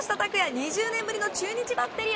２０年ぶりの中日バッテリー。